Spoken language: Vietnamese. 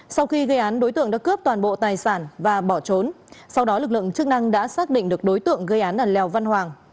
sau khi gây án đối tượng đã cướp toàn bộ tài sản và bỏ trốn sau đó lực lượng chức năng đã xác định được đối tượng gây án là lèo văn hoàng